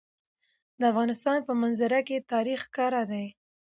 د افغانستان په منظره کې تاریخ ښکاره ده.